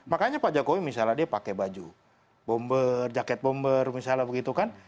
makanya pak jokowi misalnya dia pakai baju bomber jaket bomber misalnya begitu kan